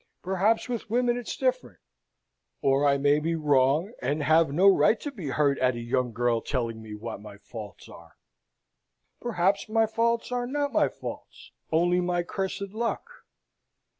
Perhaps with women it's different, or I may be wrong, and have no right to be hurt at a young girl telling me what my faults are. Perhaps my faults are not my faults only my cursed luck.